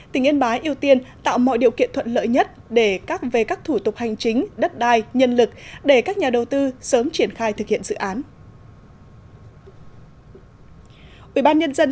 tỉnh yên bái ưu tiên tạo mọi điều kiện thuận lợi nhất về các thủ tục hành chính đất đai nhân lực để các nhà đầu tư sớm triển khai thực hiện dự án